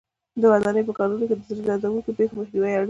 د ودانۍ په کارونو کې د زړه دردوونکو پېښو مخنیوی اړین دی.